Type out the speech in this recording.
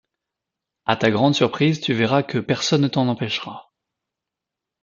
A ta grande surprise, tu verras que personne ne t'en empêchera.